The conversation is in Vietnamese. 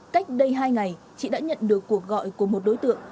cách đây hai ngày chị đã nhận được cuộc gọi của một đối tượng